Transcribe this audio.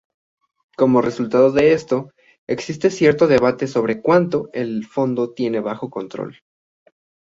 Como resultado de esto, existe cierto debate sobre cuánto el fondo tiene bajo control.